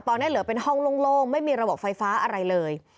ตอนนี้เหลือเป็นห้องโล่งไม่มีระบบไฟฟ้าอะไรเลย